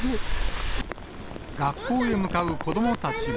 学校へ向かう子どもたちも。